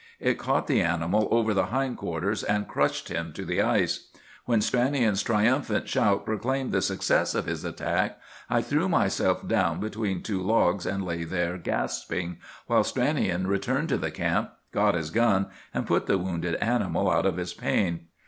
It caught the animal over the hindquarters, and crushed him to the ice. When Stranion's triumphant shout proclaimed the success of his attack, I threw myself down between two logs and lay there gasping, while Stranion returned to the camp, got his gun, and put the wounded animal out of his pain.